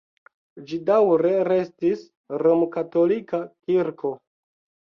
Ĝi daŭre restis romkatolika kirko.